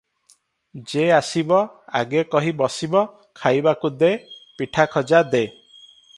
ଯେ ଆସିବ, ଆଗେ କହି ବସିବ ଖାଇବାକୁ ଦେ, ପିଠା ଖଜା ଦେ ।